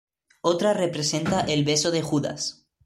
Otra representa el Beso de Judas.